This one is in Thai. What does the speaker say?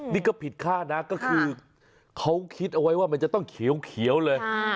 นี่ก็ผิดคาดนะก็คือเขาคิดเอาไว้ว่ามันจะต้องเขียวเลย